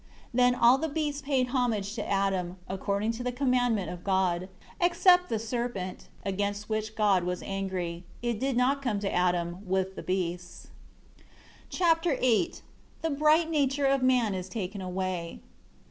9 Then all the beasts paid homage to Adam, according to the commandment of God; except the serpent, against which God was angry. It did not come to Adam, with the beasts. Chapter VIII The "Bright Nature" of man is taken away.